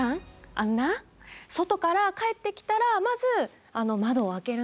あんな外から帰ってきたらまず窓を開けるんよ。